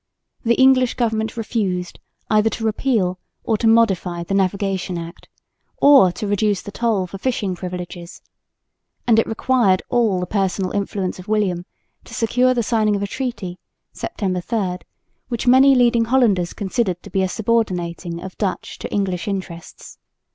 The English government refused either to repeal or modify the Navigation Act or to reduce the toll for fishing privileges; and it required all the personal influence of William to secure the signing of a treaty (September 3), which many leading Hollanders considered to be a subordinating of Dutch to English interests.